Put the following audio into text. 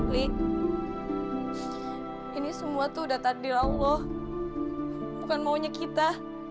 ini semua tuh udah takdir allah bukan maunya kita